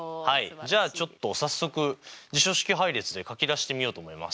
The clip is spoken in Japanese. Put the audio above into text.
じゃあちょっと早速辞書式配列で書き出してみようと思います。